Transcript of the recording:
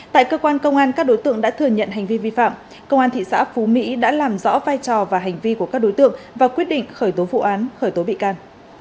tại cơ quan công an các đối tượng đã thừa nhận hành vi vi phạm công an thị xã phú mỹ đã làm rõ vai trò và hành vi của các đối tượng và quyết định khởi tố vụ án khởi tố bị can